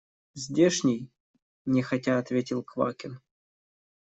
Здешний, – нехотя ответил Квакин.